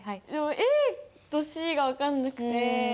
ＡとＣが分かんなくて。